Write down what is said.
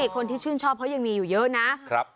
คนที่ชื่นชอบเขายังมีอยู่เยอะนะ